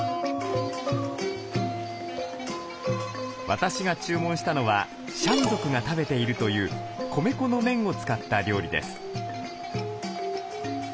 私が注文したのはシャン族が食べているという米粉の麺を使った料理です。